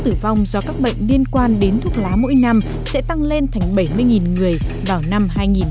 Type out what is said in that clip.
tính số tử vong do các bệnh liên quan đến thuốc lá mỗi năm sẽ tăng lên thành bảy mươi người vào năm hai nghìn ba mươi